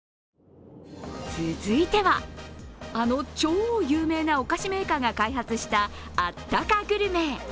続いては、あの超有名なお菓子メーカーが開発したあったかグルメ。